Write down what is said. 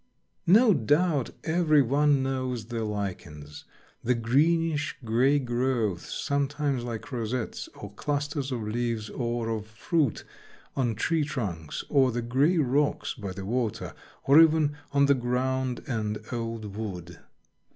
No doubt every one knows the Lichens, the greenish gray growths, sometimes like rosettes or clusters of leaves or of fruit, on tree trunks or the gray rocks by the water, and even on the ground and old wood.